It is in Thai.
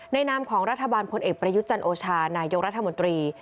ในนามของรัฐบาลผลเอกประยุจจันโอชานายทหารรัฐมนตรี